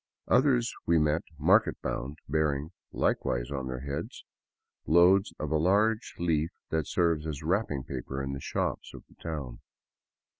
Others we met market bound, bearing, likewise on their heads, loads of a large leaf that serves as wrapping paper in the shops of the town.